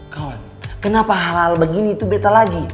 kawan kenapa hal hal begini itu beta lagi